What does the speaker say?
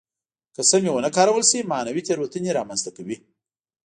که سمې ونه کارول شي معنوي تېروتنې را منځته کوي.